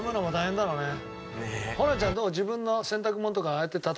ホランちゃんどう？